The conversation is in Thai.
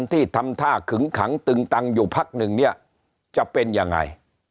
ที่ทำท่าขึงขังตึงตังอยู่พักหนึ่งเนี่ยจะเป็นยังไง